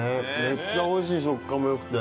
めっちゃおいしい食感も良くて。